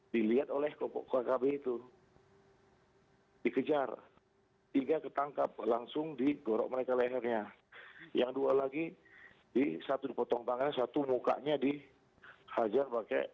dilihat oleh kelompok kkb itu dikejar tiga ketangkap langsung digorok mereka lehernya yang dua lagi di satu dipotong tangannya satu mukanya dihajar pakai